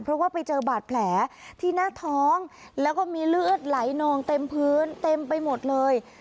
เพราะว่าไปเจอบาดแผลที่หน้าท้องแล้วก็มีเลือดไหลนองเต็มพื้นเต็มไปหมดเลย